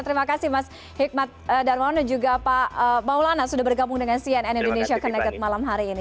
terima kasih mas hikmat darmawan dan juga pak maulana sudah bergabung dengan cnn indonesia connected malam hari ini